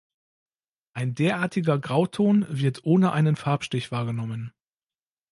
Ein derartiger Grauton wird "ohne einen Farbstich" wahrgenommen.